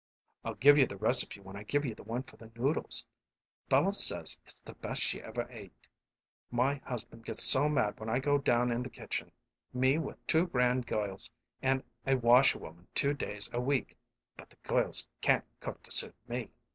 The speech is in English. "I'll give you the recipe when I give you the one for the noodles. Bella says it's the best she ever ate. My husband gets so mad when I go down in the kitchen me with two grand girls and washerwoman two days a week! But the girls can't cook to suit me."